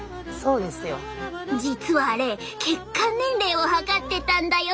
実はあれ血管年齢を測ってたんだよ。